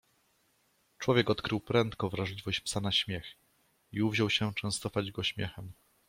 Człowiek odkrył prędko wrażliwość psa na śmiech, i uwziął się częstować go śmiechem